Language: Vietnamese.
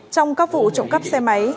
trong các vụ trộm cắp xe máy